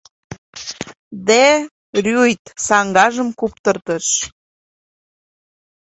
Де Рюйт саҥгажым куптыртыш.